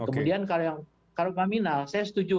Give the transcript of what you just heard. kemudian kalau yang kalau paminal saya setuju